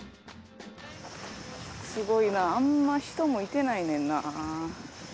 すごいなあんま人もいてないねんな。